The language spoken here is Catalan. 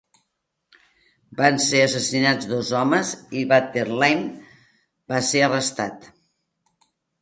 Van ser assassinats dos homes i Barthelemy va ser arrestat.